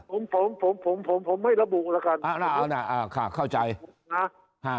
ผมผมผมผมผมผมไม่ระบุแล้วกันอ่าอ่าอ่าอ่าค่ะเข้าใจอ่า